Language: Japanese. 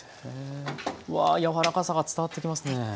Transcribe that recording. うわ柔らかさが伝わってきますね。